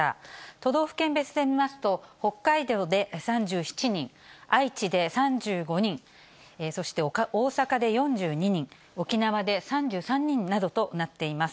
都道府県別で見ますと、北海道で３７人、愛知で３５人、そして、大阪で４２人、沖縄で３３人などとなっています。